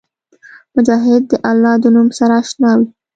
مجاهد د الله د نوم سره اشنا وي.